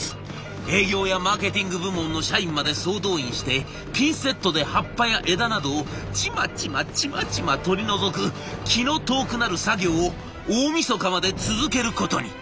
営業やマーケティング部門の社員まで総動員してピンセットで葉っぱや枝などをちまちまちまちま取り除く気の遠くなる作業を大みそかまで続けることに。